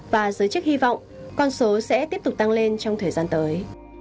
và giới chức hy vọng con số sẽ tiếp tục tăng lên trong thời gian tới